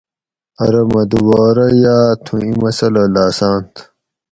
اۤرو مہ دوبارہ یا تھوں اِیں مسلہ لاۤسانت